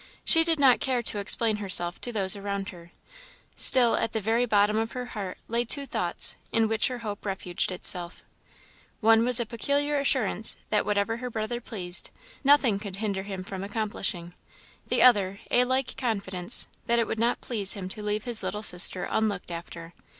She did not care to explain herself to those around her. Still, at the very bottom of her heart lay two thoughts, in which her hope refuged itself. One was a peculiar assurance that whatever her brother pleased, nothing could hinder him from accomplishing; the other, a like confidence that it would not please him to leave his little sister unlooked after.